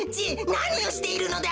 なにをしているのだ！